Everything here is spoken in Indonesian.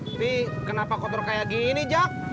tapi kenapa kotor kayak gini jak